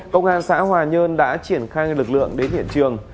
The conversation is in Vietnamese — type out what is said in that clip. công an xã hòa nhơn đã triển khai lực lượng đến hiện trường